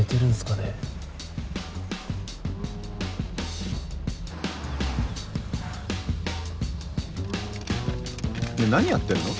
ねぇ何やってんの？